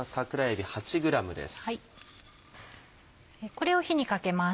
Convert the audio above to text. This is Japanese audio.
これを火にかけます。